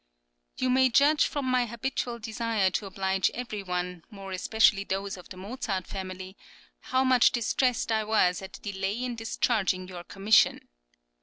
You may judge from my habitual desire to oblige every one, more especially those of the Mozart family, how much distressed I was at the delay in discharging your commission.